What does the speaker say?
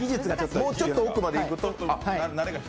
もうちょっと奥までいくと。